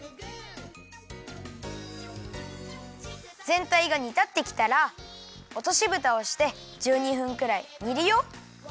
ぜんたいがにたってきたらおとしぶたをして１２分くらいにるよ。